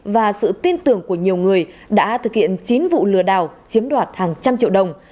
và sự tin tưởng của nhiều người đã thực hiện chín vụ lừa đảo chiếm đoạt hàng trăm triệu đồng